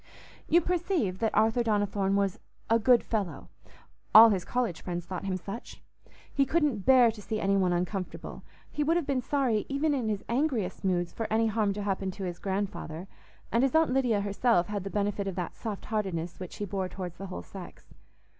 You perceive that Arthur Donnithorne was "a good fellow"—all his college friends thought him such. He couldn't bear to see any one uncomfortable; he would have been sorry even in his angriest moods for any harm to happen to his grandfather; and his Aunt Lydia herself had the benefit of that soft heartedness which he bore towards the whole sex.